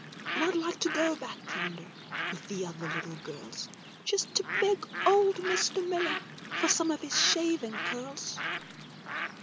And I'd like to go back yonder with the other little girls. Just to beg old Mr. Miller for some of his shaving curls.